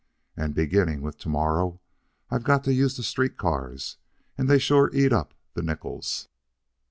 And beginning with to morrow I've got to use the street cars, and they sure eat up the nickels."